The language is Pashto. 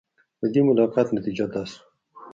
د دې ملاقات نتیجه دا شوه.